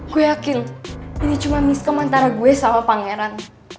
gue yakin ini cuma miskam antara gue sama pangeran